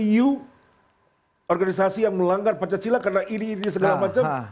you organisasi yang melanggar pancasila karena ini iri segala macam